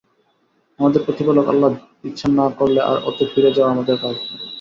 আমাদের প্রতিপালক আল্লাহ ইচ্ছা না করলে আর ওতে ফিরে যাওয়া আমাদের কাজ নয়।